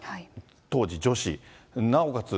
当時女史、なおかつ